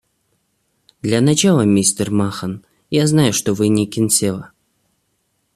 Для начала, мистер Махон, я знаю, что вы не Кинсела.